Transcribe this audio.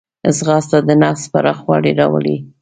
ځغاسته د نفس پراخوالی راولي